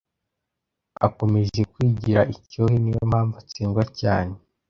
Akomeje kwigira icyohe niyo mpamvu atsindwa cyane